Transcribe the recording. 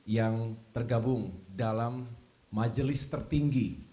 yang tergabung dalam majelis tertinggi